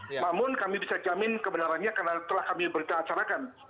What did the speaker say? namun kami bisa jamin kebenarannya karena telah kami berita acarakan